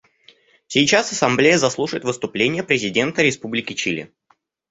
Сейчас Ассамблея заслушает выступление президента Республики Чили.